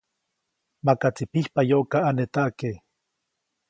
Makaʼtsi pijpayoʼkaʼanetaʼke.